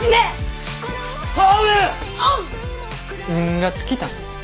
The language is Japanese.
運が尽きたんです。